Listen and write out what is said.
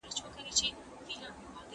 بې نوبتي کوه مُغانه پر ما ښه لګیږي